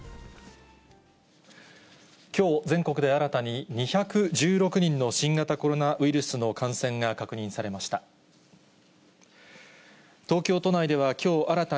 きょう、全国で新たに２１６人の新型コロナウイルスの感染が確認されました。